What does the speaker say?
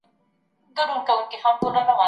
په ښوونیز سیسټم کي د کیفیت ارزونه کېږي.